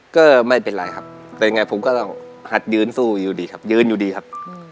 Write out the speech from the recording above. ก็ไม่เป็นไรครับเป็นยังไงผมก็ต้องหัดยืนสู้อยู่ดีครับยืนอยู่ดีครับ